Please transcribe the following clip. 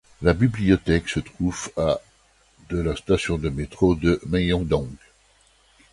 La bibliothèque se trouve à de la station de métro de Myeong-dong.